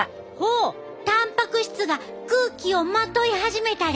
おたんぱく質が空気をまとい始めたで！